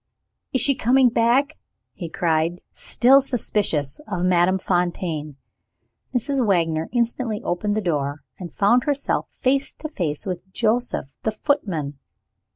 "Is she coming back?" he cried, still suspicious of Madame Fontaine. Mrs. Wagner instantly opened the door, and found herself face to face with Joseph the footman.